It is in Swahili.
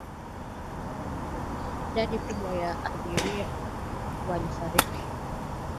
idadi kubwa ya abiria waliyonusurika walikuwa wa darasa la kwanza